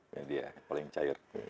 ya dia paling cair